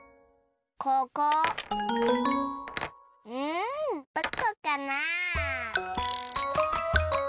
うんどこかな？